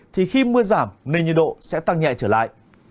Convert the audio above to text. thì khi mưa giảm nền nhiệt độ sẽ tăng nhẹ trở lại